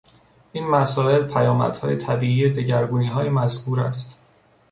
این مسائل پیامدهای طبیعی دگرگونیهای مذکور است.